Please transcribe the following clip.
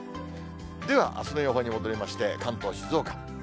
では、あすの予報に戻りまして、関東、静岡。